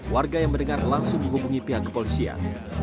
warga yang mendengar langsung menghubungi pihak kepolisian